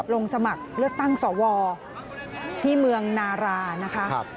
ลงสมัครเลือกตั้งสวที่เมืองนารานะคะ